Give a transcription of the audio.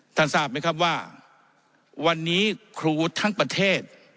ทราบไหมครับว่าวันนี้ครูทั้งประเทศ